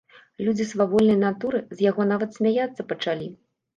Людзі свавольнай натуры з яго нават смяяцца пачалі.